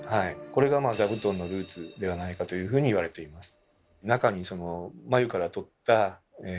これが座布団のルーツではないかというふうにいわれています。